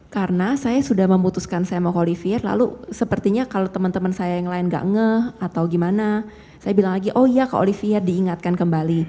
karena saya sudah memutuskan saya mau ke oliver lalu sepertinya kalau teman teman saya yang lain gak ngeh atau gimana saya bilang lagi oh ya ke oliver diingatkan kembali